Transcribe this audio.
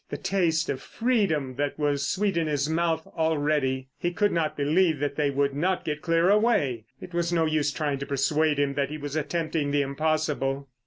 The taste of freedom was sweet in his mouth already; he could not believe that they would not get clear away. It was no use trying to persuade him that he was attempting the impossible.